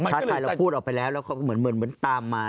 ท้าทายเราพูดออกไปแล้วแล้วก็เหมือนตามมา